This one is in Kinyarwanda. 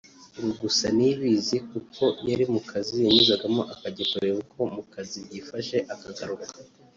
gusa ngo Niyibizi kuko yari mu kazi yanyuzagamo akajya kureba uko mu kazi byifashe akagaruka